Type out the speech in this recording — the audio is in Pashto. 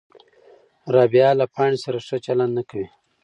رابعه له پاڼې سره ښه چلند نه کوي.